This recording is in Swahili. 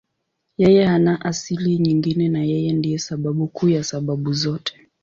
Yeye hana asili nyingine na Yeye ndiye sababu kuu ya sababu zote.